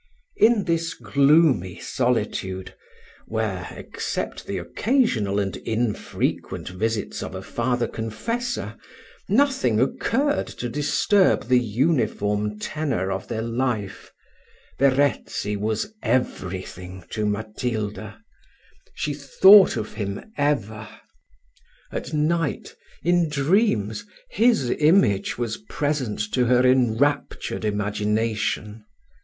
In this gloomy solitude, where, except the occasional and infrequent visits of a father confessor, nothing occurred to disturb the uniform tenour of their life, Verezzi was every thing to Matilda she thought of him ever: at night, in dreams, his image was present to her enraptured imagination.